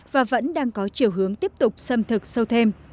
và vẫn đang có chiều hướng tiếp tục xâm thực sâu thêm